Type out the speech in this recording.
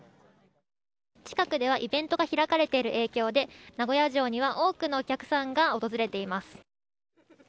近くではイベントが開かれている影響で名古屋城には多くのお客さんが訪れています。